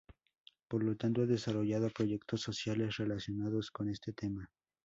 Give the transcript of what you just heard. Por lo tanto, ha desarrollado proyectos sociales relacionados con este tema.